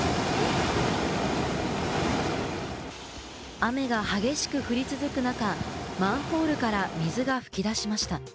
雨が激しく降り続く中、マンホールから水が噴き出しました。